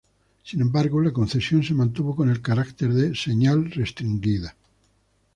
Sin embargo, la concesión se mantuvo con el carácter de señal restringida.